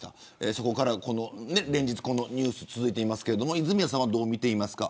そこから、連日このニュース続いていますけれど泉谷さんは、どうみていますか。